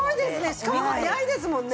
しかも早いですもんね。